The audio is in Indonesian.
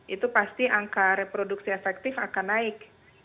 itu pasti angka reproduksi efektif akan naik